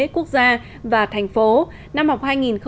quốc gia và thành phố năm học hai nghìn một mươi bảy hai nghìn một mươi tám